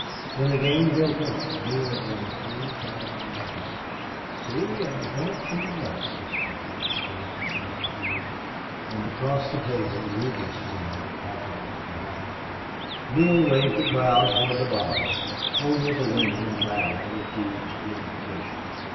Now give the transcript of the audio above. When the game broke up Neale had won three thousand dollars. "See! I brought you luck," whispered Beauty Stanton in his ear. And across the table Ruby smiled hauntingly and mockingly. Neale waved the crowd toward the bar. Only the women and Larry refused the invitation.